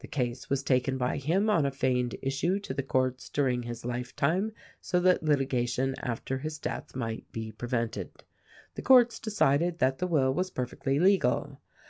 The case was taken by him on a feigned issue to the courts during his lifetime so that litigation after his death might be prevented. The courts decided that the will was perfectly legal.